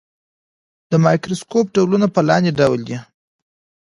د مایکروسکوپ ډولونه په لاندې ډول دي.